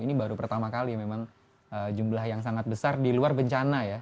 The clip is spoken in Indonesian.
ini baru pertama kali memang jumlah yang sangat besar di luar bencana ya